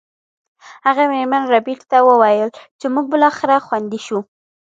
هغه میرمن ربیټ ته وویل چې موږ بالاخره خوندي شو